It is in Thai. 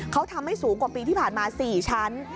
เขาทำให้สูงกว่าปีที่ผ่านมา๔ชั้น